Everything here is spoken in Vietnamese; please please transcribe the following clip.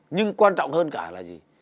nhưng quan trọng hơn cả là gì